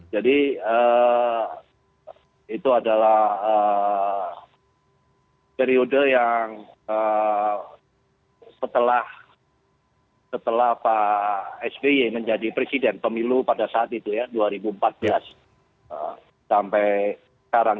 jadi itu adalah periode yang setelah pak sby menjadi presiden pemilu pada saat itu ya dua ribu empat belas sampai sekarang